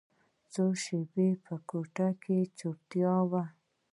څو شېبې په کوټه کښې چوپتيا وه.